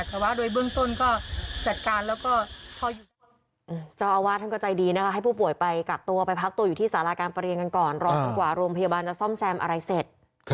แต่ว่าโดยเบื้องต้นก็จัดการแล้วก็พออยู่